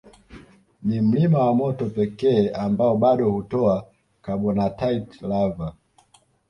Ni mlima wa moto pekee ambao bado hutoa carbonatite lava